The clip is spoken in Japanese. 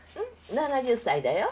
７０歳だよ。